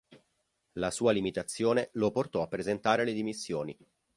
La sua limitazione lo portò a presentare le dimissioni.